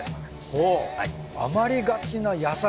ほぉ余りがちな野菜？